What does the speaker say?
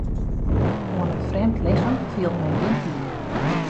Oan in frjemd lichem fielt men gjin pine.